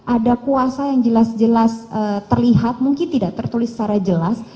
ada kuasa yang jelas jelas terlihat mungkin tidak tertulis secara jelas